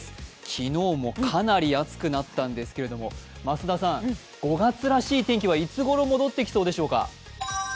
昨日もかなり暑くなったんですけれども、増田さん５月らしい天気はいつごろ戻ってきそうでしょうか。